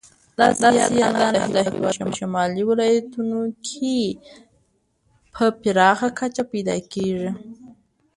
دا سیاه دانه د هېواد په شمالي ولایتونو کې په پراخه کچه پیدا کیږي.